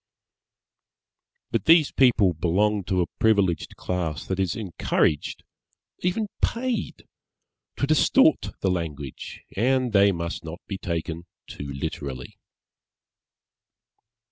_) But these people belong to a privileged class that is encouraged (even paid) to distort the language, and they must not be taken too literally.